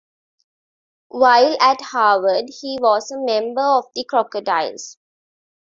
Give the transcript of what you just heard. While at Harvard he was a member of the Krokodiloes.